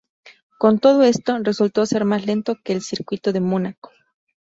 Con todo esto, resultó ser más lento que el circuito de Mónaco.